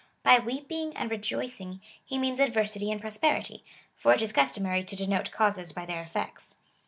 By tueeping and rejoicing, he means adversity and prosperity ; for it is customary to denote causes by their effects.